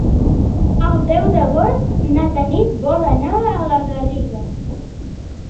El deu d'agost na Tanit vol anar a la Garriga.